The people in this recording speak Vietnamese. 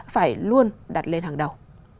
phải luôn đặt lên hàng đầu